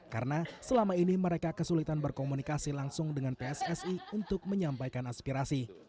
karena selama ini mereka kesulitan berkomunikasi langsung dengan pssi untuk menyampaikan aspirasi